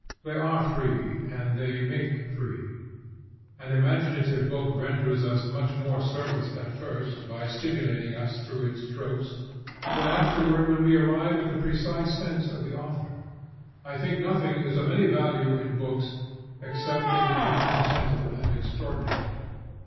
They are free, and they make free. An imaginative book renders us much more service at first, by stimulating us through its tropes, than afterward when we arrive at the precise sense of the author. I think nothing is of any value in books excepting the transcendental and extraordinary.